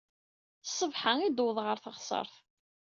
Ṣṣbeḥ-a i d-wwḍeɣ ɣer teɣsert.